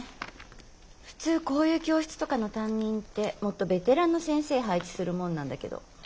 普通こういう教室とかの担任ってもっとベテランの先生配置するもんなんだけど。え？